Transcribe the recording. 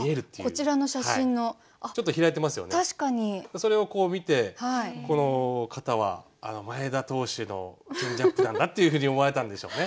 それを見てこの方は前田投手のチェンジアップなんだっていうふうに思われたんでしょうね。